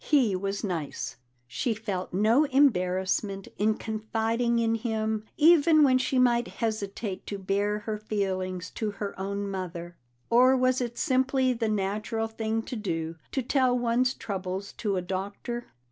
He was nice; she felt no embarrassment in confiding in him even when she might hesitate to bare her feelings to her own mother. Or was it simply the natural thing to do to tell one's troubles to a doctor?